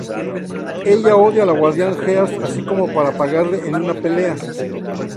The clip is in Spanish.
Ella odia a la "Guardian Hearts", así como para pagarle en una pelea.